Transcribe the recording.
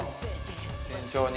慎重に。